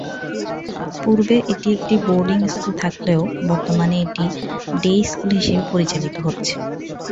পূর্বে এটি boarding school থাকলেও বর্তমানে এটি ডে স্কুল হিসেবে পরিচালিত হচ্ছে।